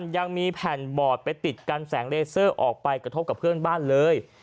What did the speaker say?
ยังมีแผ่นบอร์ดไปติดกันแสงเลเซอร์ออกไปกระทบกับเพื่อนบ้านเลย